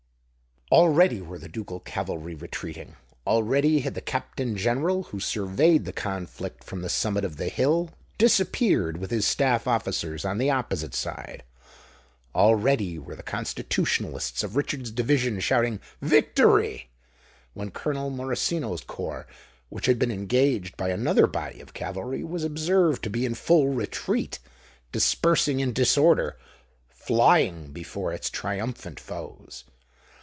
Already were the ducal cavalry retreating;—already had the Captain General, who surveyed the conflict from the summit of the hill, disappeared with his staff officers on the opposite side;—already were the Constitutionalists of Richard's division shouting "Victory,"—when Colonel Morosino's corps, which had been engaged by another body of cavalry, was observed to be in full retreat—dispersing in disorder—flying before its triumphant foes.